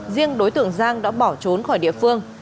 riêng đối tượng giang đã bỏ trốn khỏi địa phương